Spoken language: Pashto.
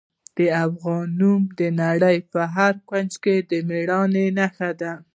د افغان نوم د نړۍ په هر کونج کې د میړانې نښه ده.